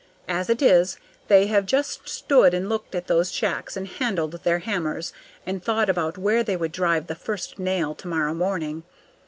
As it is, they have just stood and looked at those shacks and handled their hammers, and thought about where they would drive the first nail tomorrow morning.